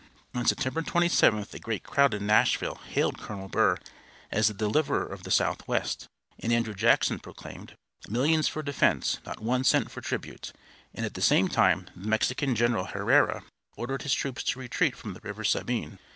On September 27th a great crowd in Nashville hailed Colonel Burr as the deliverer of the Southwest, and Andrew Jackson proclaimed, "Millions for defense; not one cent for tribute;" and at the same time the Mexican General Herrera ordered his troops to retreat from the River Sabine.